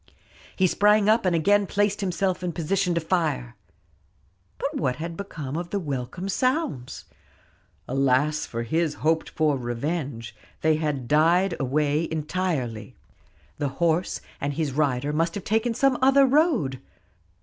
He sprang up and again placed himself in position to fire. But what had become of the welcome sounds? Alas for his hoped for revenge; they had died away entirely. The horse and his rider must have taken some other road.